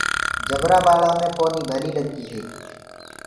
جبرآ ٻآݪآنٚ مي پونيٚ ڀليٚ لگديٚ هي۔